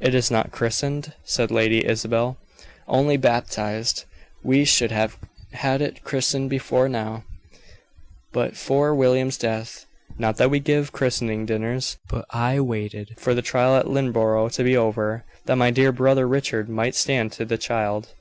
"It is not christened?" said Lady Isabel. "Only baptized. We should have had it christened before now, but for William's death. Not that we give christening dinners; but I waited for the trial at Lynneborough to be over, that my dear brother Richard might stand to the child."